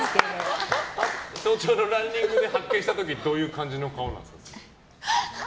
早朝のランニングで発見した時どういう感じの顔なんですか。